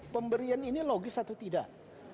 pemberian ini logis atau tidak